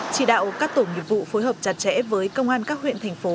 chỉ đạo các tổ nghiệp vụ phối hợp chặt chẽ với công an các huyện thành phố